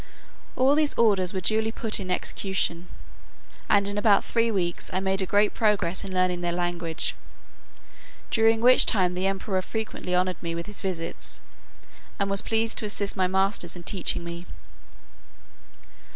All these orders were duly put in execution; and in about three weeks I made a great progress in learning their language; during which time the emperor frequently honoured me with his visits, and was pleased to assist my masters in teaching me.